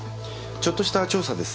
ちょっとした調査です。